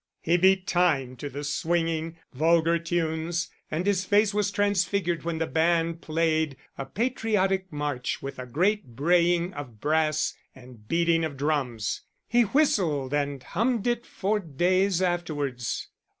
He beat time to the swinging, vulgar tunes, and his face was transfigured when the band played a patriotic march with a great braying of brass and beating of drums. He whistled and hummed it for days afterwards.